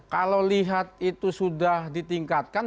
kalau lihat itu sudah ditingkatkan